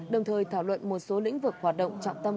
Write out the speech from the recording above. đồng thời thảo luận một số lĩnh vực hoạt động trọng tâm